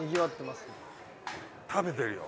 食べてるよ。